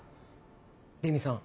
麗美さん